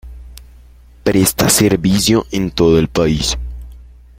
Presta servicio en todo el país.